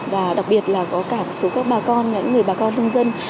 và đặc biệt là có cả một số các bà con những người bà con nhân dân